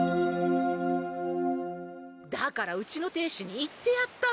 だからうちの亭主に言ってやったの。